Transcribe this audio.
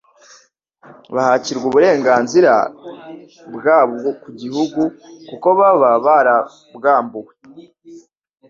Bahakirwa uburenganzira bwabo ku gihugu kuko baba barabwambuwe.